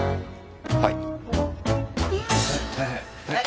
はい？